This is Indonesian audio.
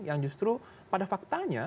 yang justru pada faktanya